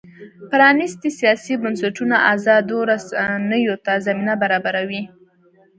پرانیستي سیاسي بنسټونه ازادو رسنیو ته زمینه برابروي.